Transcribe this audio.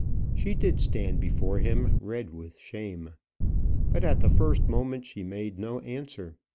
She did stand before him red with shame; but at the first moment she made no answer.